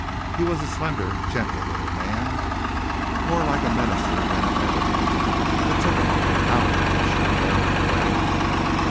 He was a slender, gentle little man, more like a minister than an editor. It took an awful coward to shoot him down that way."